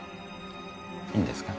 いいんですか？